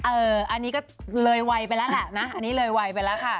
อันนี้ก็เลยไวไปแล้วแหละนะอันนี้เลยไวไปแล้วค่ะ